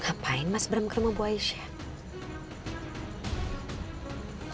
ngapain mas bram ke rumah bu aisyah